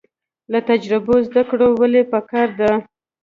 له تجربو زده کړه ولې پکار ده؟